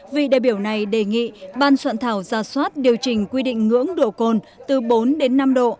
vị đại biểu này đề nghị ban soạn thảo ra soát điều chỉnh quy định ngưỡng độ cồn từ bốn đến năm độ